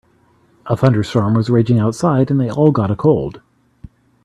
A thunderstorm was raging outside and they all got a cold.